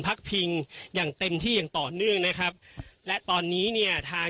พักพิงอย่างเต็มที่อย่างต่อเนื่องนะครับและตอนนี้เนี่ยทาง